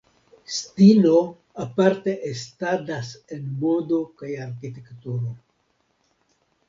Stilo aparte estadas en modo kaj arkitekturo.